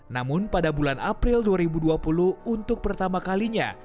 namun pada bulan april dua ribu dua puluh untuk pertama kalinya